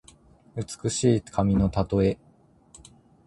美しい髪のたとえ。